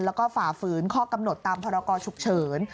แล้วก็ฝ่าฝืนข้อกำหนดตามพรกรฉุกเฉิน